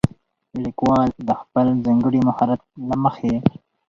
ليکوال د خپل ځانګړي مهارت له مخې